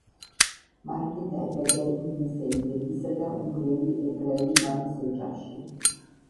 მარკი დაიბადა ინგლისელი დედისა და უნგრელი ებრაელი მამის ოჯახში.